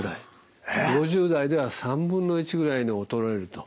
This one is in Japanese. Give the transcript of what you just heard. ５０代では３分の１ぐらいに衰えると。